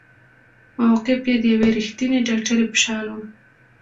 موقف يې د يوې رښتينې ډاکټرې په شان وه.